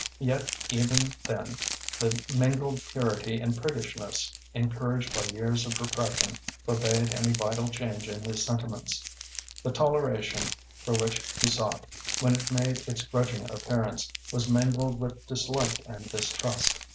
Yet even then the mingled purity and priggishness encouraged by years of repression forbade any vital change in his sentiments. The toleration for which he sought, when it made its grudging appearance, was mingled with dislike and distrust.